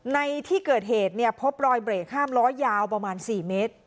ในที่เกิดเหตุเนี่ยพบรอยเบรกห้ามล้อยาวประมาณ๔เมตร